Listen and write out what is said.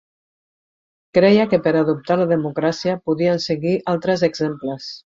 Creia que per adoptar la democràcia podien seguir altres exemples.